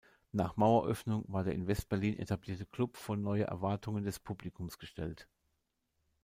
Nach Maueröffnung war der in West-Berlin etablierte Club vor neue Erwartungen des Publikums gestellt.